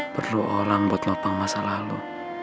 beru orang buat ngopeng masa lalu